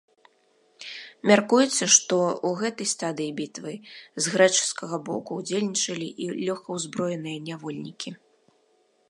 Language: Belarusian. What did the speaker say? Мяркуецца, што ў гэтай стадыі бітвы з грэчаскага боку ўдзельнічалі і лёгкаўзброеныя нявольнікі.